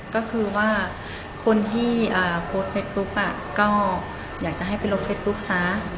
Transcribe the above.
ก็คือว่าคนที่โพสต์เฟซบุ๊กก็อยากจะให้ไปลบเฟซบุ๊กซะ